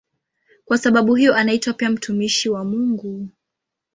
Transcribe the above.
Kwa sababu hiyo anaitwa pia "mtumishi wa Mungu".